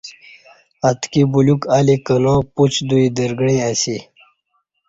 اتکی بولیوک الی کنا پوچ دوئی درگݩعی اسی